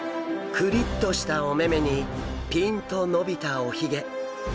クリッとしたお目々にピンと伸びたおヒゲ。